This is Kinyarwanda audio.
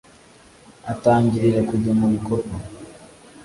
atangirira kujya mu bikorwa